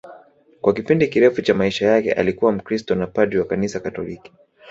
Kwa kipindi kirefu cha maisha yake alikuwa Mkristo na padri wa Kanisa Katoliki